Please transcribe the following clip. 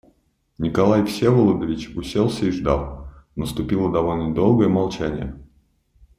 Николай Всеволодович уселся и ждал; наступило довольно долгое молчание.